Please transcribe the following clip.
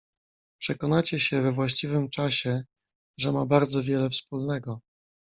"Przekonacie się we właściwym czasie, że ma bardzo wiele wspólnego."